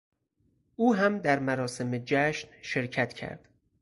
او هم در مراسم جشن شرکت کرد.